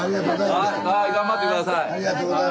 はい頑張って下さい。